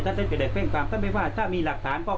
ท่านจะได้แจ้งความท่านไม่ว่าถ้ามีหลักฐาน